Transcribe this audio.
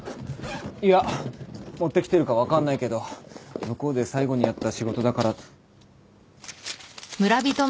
いや持ってきてるか分かんないけど向こうで最後にやった仕事だから。